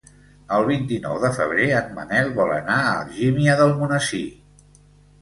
El vint-i-nou de febrer en Manel vol anar a Algímia d'Almonesir.